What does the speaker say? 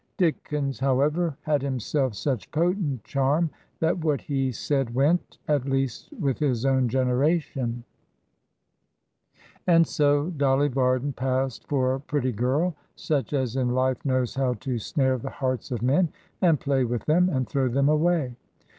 Dickens, however, had himself such potent charm that what he said went, at least with his own generation; and so Dolly Varden passed for a pretty girl such as in life knows how to snare the hearts of men, and play with them and throw them away.